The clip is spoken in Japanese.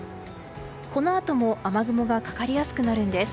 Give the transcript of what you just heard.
このあとも雨雲がかかりやすくなるんです。